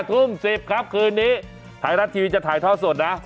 ทุ่ม๑๐ครับคืนนี้ไทยรัฐทีวีจะถ่ายท่อสดนะ